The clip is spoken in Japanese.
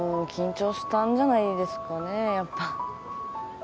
緊張したんじゃないですかねぇやっぱ。